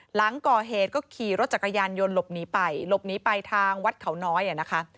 หลังก่อเหตุก็ขี่รถจักรยานยนต์หลบหนีไปหลบหนีไปทางวัดเขาน้อยอ่ะนะคะ